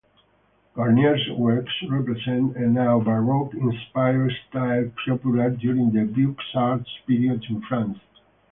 Garnier's works represent a Neo-Baroque-inspired style, popular during the Beaux-Arts period in France.